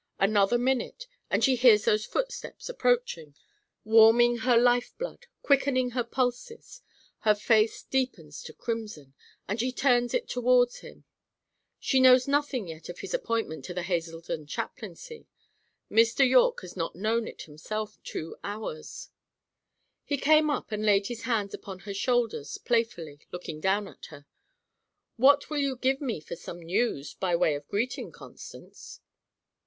Another minute, and she hears those footsteps approaching, warming her life blood, quickening her pulses: her face deepens to crimson, as she turns it towards him. She knows nothing yet of his appointment to the Hazeldon chaplaincy; Mr. Yorke has not known it himself two hours. He came up and laid his hands upon her shoulders playfully, looking down at her. "What will you give me for some news, by way of greeting, Constance?"